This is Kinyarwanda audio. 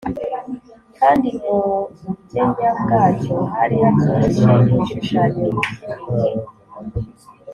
Kandi mu bugenya bwacyo hari hakikije ibishushanyo by’imihe